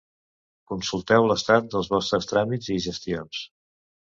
Consulteu l'estat dels vostres tràmits i gestions.